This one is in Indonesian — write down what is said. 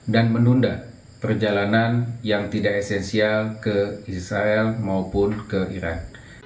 dan menunda perjalanan yang tidak esensial ke israel maupun ke iran